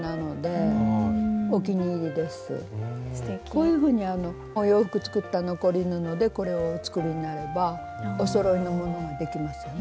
こういうふうにお洋服作った残り布でこれをお作りになればおそろいのものができますよね。